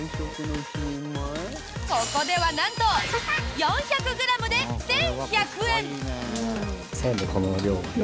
ここではなんと４００ｇで１１００円。